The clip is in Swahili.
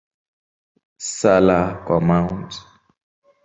Sala kwa Mt.